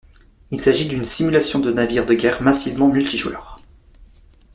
Il s'agit d'une simulation de navires de guerre massivement multijoueur.